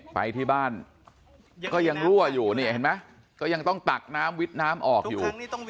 ไปที่บ้านก็ยังรั่วอยู่ยังต้องตักน้ำวิดน้ำออกอยู่